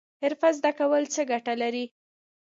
حرفه زده کول څه ګټه لري؟